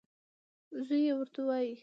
زوی یې ورته وايي .